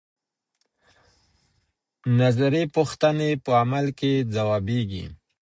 نظري پوښتنې په عمل کې ځوابيږي.